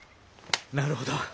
なるほど！